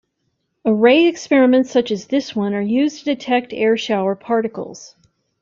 Array experiments such as this one are used to detect air shower particles.